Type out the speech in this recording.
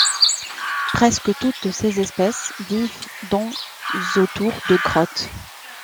Presque toutes ses espèces vivent dans ou autour de grottes.